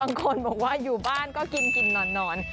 บางคนบอกว่าอยู่บ้านก็กินกินนอน